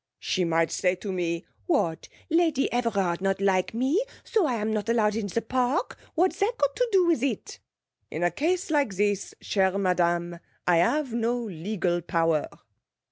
She might say to me: What, Lady Everard not like me, so I am not allowed in the park? What that got to do with it? In a case like this, chère madame, I have no legal power.'